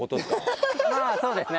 まあそうですね。